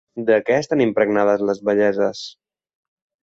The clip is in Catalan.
De què estan impregnades les belleses?